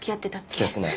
付き合ってない。